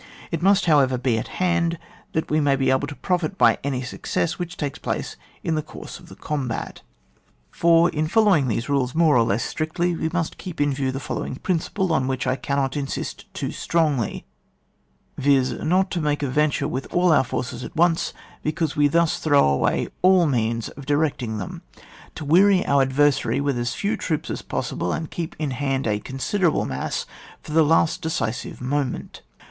It must, however, be at hand, that we may be able to profit by any success which takes place in the course of the combat. 4. In following these rules more or lees strictly, we must keep in view the follow ing principle, on which I cannot insist too strongly, viz., not to make a venture with all our forces at once, because we thus throw away all means of directing them ; to weary our adversary with as few troops as possible, and keep in hand a considerable mass for the last decisive moment.